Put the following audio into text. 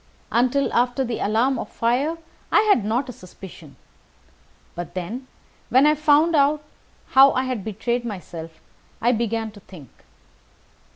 Until after the alarm of fire, I had not a suspicion. But then, when I found how I had betrayed myself, I began to think.